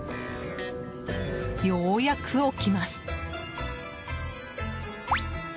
ようやく起きます。